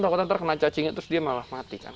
takutnya nanti kena cacingnya terus dia malah mati kan